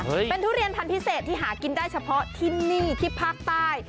เป็นทุเรียนพันธุ์พิเศษที่หากินได้เฉพาะที่นี่ที่ภาคใต้